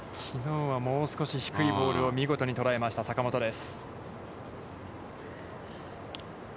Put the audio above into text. もう少し低いボールを見事に捉えました坂本です。